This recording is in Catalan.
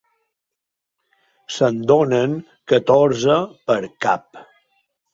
Se'n donen catorze per cap.